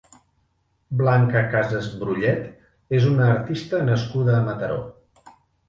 Blanca Casas Brullet és una artista nascuda a Mataró.